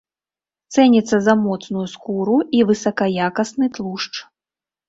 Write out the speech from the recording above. Цэніцца за моцную скуру і высакаякасны тлушч.